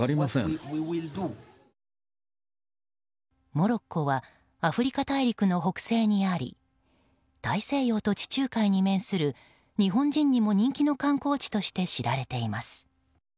モロッコはアフリカ大陸の北西にあり大西洋と地中海に面する日本人にも人気の観光地として知られています。